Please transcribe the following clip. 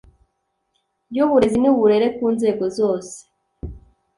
ry uburezi n uburere ku nzego zose